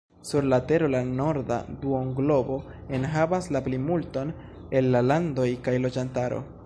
Sur la tero la norda duonglobo enhavas la plimulton el la landoj kaj loĝantaro.